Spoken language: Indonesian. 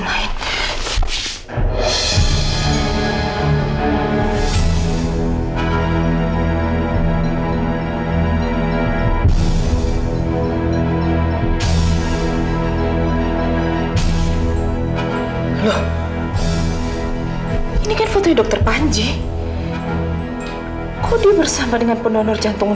aida dan panji selamanya